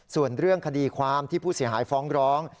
ส่วนเรื่องคดีความที่ผู้เสียหายฟ้องร้อง